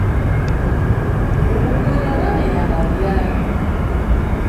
Bugoonya bwaberanga buyala.